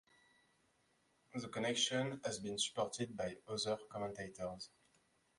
The connection has been supported by some other commentators.